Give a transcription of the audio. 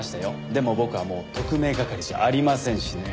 でも僕はもう特命係じゃありませんしね。